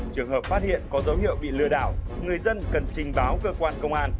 trường hợp phát hiện có dấu hiệu bị lừa đảo người dân cần trình báo cơ quan công an